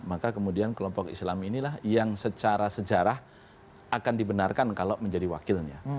maka kemudian kelompok islam inilah yang secara sejarah akan dibenarkan kalau menjadi wakilnya